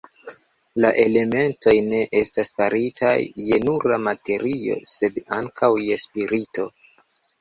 La elementoj ne estas faritaj je nura materio, sed ankaŭ je spirito.